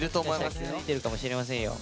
気付いてるかもしれませんよ。